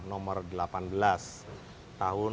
nomor delapan belas tahun dua ribu dua belas